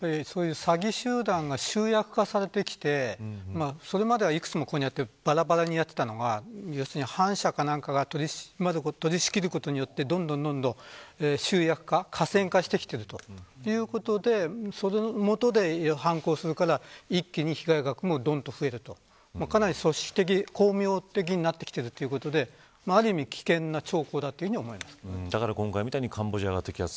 詐欺集団が集約化されてきてそれまでは、いくつもこうやってばらばらにやっていたのが反社か何かが取り仕切ることによってどんどん集約化、寡占化してきているということでそれを元で犯行するから一気に被害額もどんどん増えるかなり組織的、巧妙的になってきているということである意味危険な兆候だと思います。